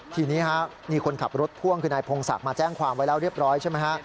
ทีนี้มีคนขับรถพ่วงคือนายพงศักดิ์มาแจ้งความไว้แล้วเรียบร้อยใช่ไหมฮะ